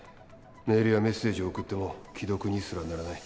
メールやメッセージを送っても既読にすらならない。